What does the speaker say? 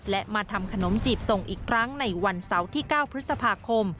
และมาทำขนมจีบส่งอีกครั้งในวันเสาร์ที่๙พฤษภาคม